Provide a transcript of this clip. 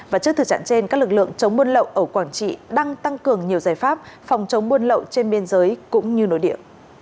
và trước thử trạng trên các lực lượng chống buôn lậu ở quảng trị đang tăng cường nhiều giải pháp phòng chống buôn lậu trên biên giới cũng như nội địa